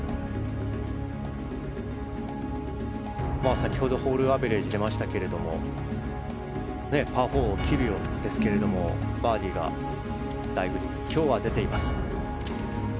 先ほどホールアベレージが出ましたがパー４を切るようですけどバーディーがだいぶ今日は出ています。